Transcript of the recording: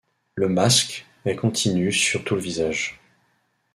Le masque est continu sur tout le visage.